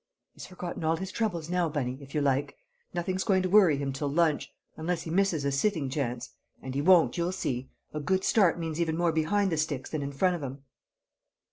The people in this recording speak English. "He's forgotten all his troubles now, Bunny, if you like; nothing's going to worry him till lunch, unless he misses a sitting chance. And he won't, you'll see; a good start means even more behind the sticks than in front of 'em."